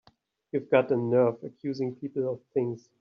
You've got a nerve accusing people of things!